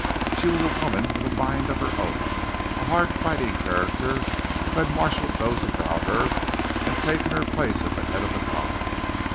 She was a woman with a mind of her own—a hard fighting character, who had marshalled those about her, and taken her place at the head of the column.